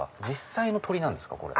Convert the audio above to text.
実際の鳥なんですか？